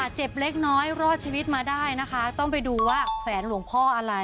เจ็บเล็กน้อยรอดชีวิตมาได้นะคะต้องไปดูว่าแขวนหลวงพ่ออะไร